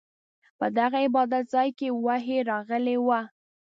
په دغه عبادت ځاې کې وحې راغلې وه.